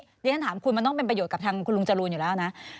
เดี๋ยวฉันถามคุณมันต้องเป็นประโยชน์กับทางคุณลุงจรูนอยู่แล้วนะ